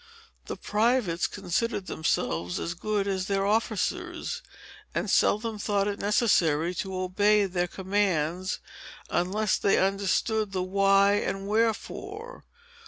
The privates considered themselves as good as their officers, and seldom thought it necessary to obey their commands, unless they understood the why and wherefore.